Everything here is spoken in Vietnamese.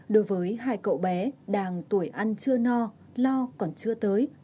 đối với hai cậu bé đang tuổi ăn chưa no lo còn chưa tới